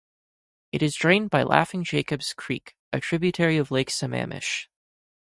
It is drained by Laughing Jacobs Creek, a tributary of Lake Sammamish.